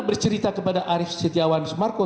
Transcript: bercerita kepada arief setiawan sumarko